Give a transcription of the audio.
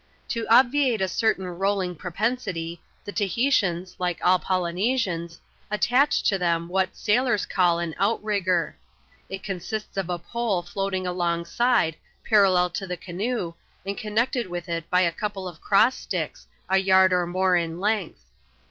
1^0 obviate a certain rolling propensity, the Tahitians, like all Polynesians, attach to them what sailors call an " outrigger." It consists of a pole floating alongside, parallel to the canoe, and ocmnected with it by a couple of cross sticks, a yard or more in length.